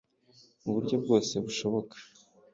mu buryo bwose bushoboka